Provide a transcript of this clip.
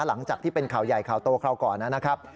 หลังจากที่เป็นข่าวใหญ่ข่าวโตคราวก่อนนะครับ